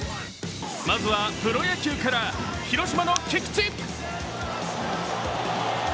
まずはプロ野球から、広島の菊池。